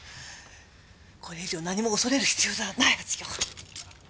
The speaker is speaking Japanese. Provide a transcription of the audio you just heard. これ以上何も恐れる必要などないはずよ。